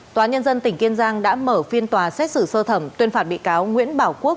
tòa nhân dân tỉnh kiên giang đã mở phiên tòa xét xử sơ thẩm tuyên phạt bị cáo nguyễn bảo quốc